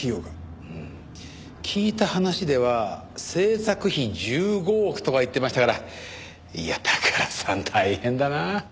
うーん聞いた話では製作費１５億とか言ってましたからいや宝さん大変だなあ。